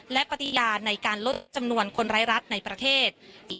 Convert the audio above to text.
และปฏิญาณในการลดจำนวนคนไร้รัฐในประเทศ